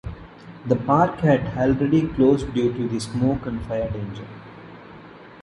The park had already closed due to the smoke and fire danger.